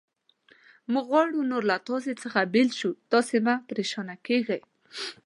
موږ غواړو نور له تاسې څخه بېل شو، تاسې مه پرېشانه کېږئ.